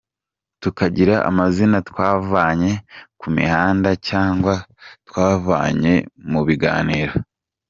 Tukagira amazina twavanye ku mihanda cyangwa twavanye mu biganiro.